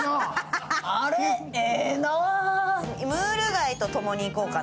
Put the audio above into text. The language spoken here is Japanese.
ムール貝とともにいこうかな。